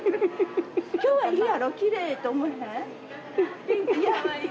今日はいいやろ奇麗やと思えへん？